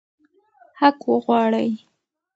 حق وغواړئ.